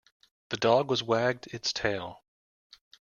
The dog was wagged its tail.